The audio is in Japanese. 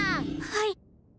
はい。